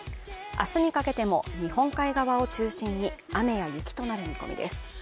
明日にかけても日本海側を中心に雨や雪となる見込みです。